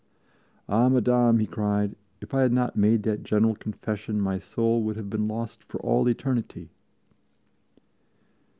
"Ah Madame," he cried, "if I had not made that General Confession my soul would have been lost for all eternity!"